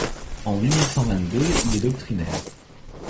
En mille huit cent vingt-deux il est doctrinaire.